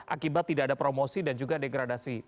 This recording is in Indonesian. akibat tidak ada promosi dan juga degradasi